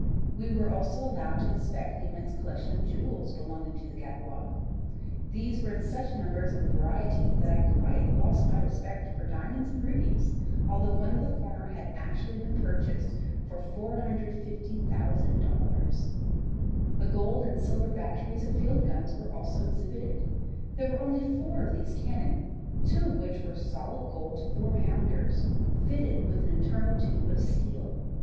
We were also allowed to inspect the immense collection of jewels belonging to the Gaekwar. These were in such numbers and variety that I quite lost my respect for diamonds and rubies, although one of the former had actually been purchased for $450,000. The gold and silver batteries of field guns were also exhibited. There are only four of these cannon, two of which are solid gold four pounders, fitted with an internal tube of steel.